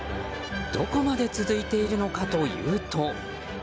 どこまで続いているのかというと。